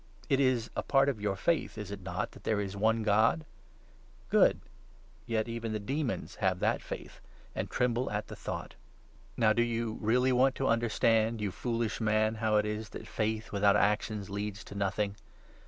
It is a part of 19 your Faith, is it not, that there is one God ? Good ; yet even the demons have that faith, and tremble at the thought. Now 20 do you really want to understand, you foolish man, how it is that faith without actions leads to nothing